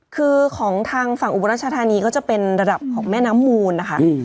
คือของทางฝั่งอุบรัชธานีก็จะเป็นระดับของแม่น้ำมูลนะคะ